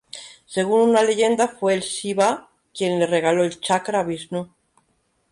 Según una leyenda, fue el Shivá quien le regaló el chakra a Visnú.